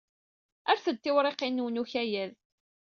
Rret-d tiwriqin-nwen n ukayad.